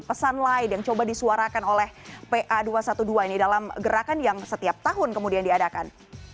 pesan lain yang coba disuarakan oleh pa dua ratus dua belas ini dalam gerakan yang setiap tahun kemudian diadakan